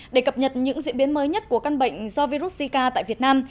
để cập nhật những diễn biến mới nhất của căn bệnh do virus zika tại việt nam